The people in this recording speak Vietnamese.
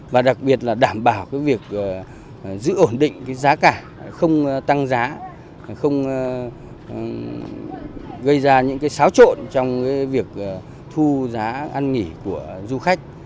và đặc biệt là đảm bảo việc giữ ổn định cái giá cả không tăng giá không gây ra những xáo trộn trong việc thu giá ăn nghỉ của du khách